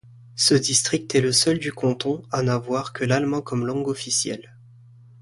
Ce district est le seul du canton à n'avoir que l'allemand comme langue officielle.